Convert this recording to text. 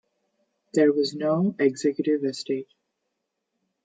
There was no "Executive" estate.